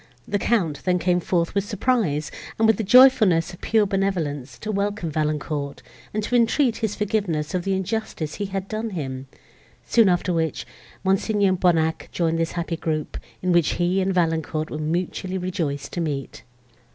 The Count then came forth with surprise, and with the joyfulness of pure benevolence, to welcome Valancourt, and to entreat his forgiveness of the injustice he had done him; soon after which, Mons. Bonnac joined this happy group, in which he and Valancourt were mutually rejoiced to meet.